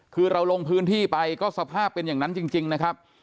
คือเราลงพื้นที่ไปก็สภาพเป็นอย่างนั้นจริงนะครับ